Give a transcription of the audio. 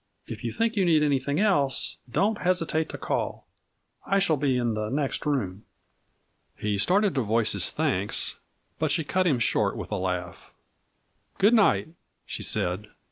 If you think you need anything else, don't hesitate to call. I shall be in the next room." He started to voice his thanks, but she cut him short with a laugh. "Good night," she said.